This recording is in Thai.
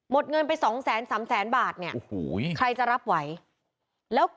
ขอเย็นมา